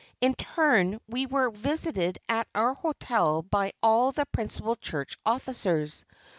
In turn, we were visited at our hotel by all the principal church officers.